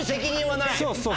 そうそう。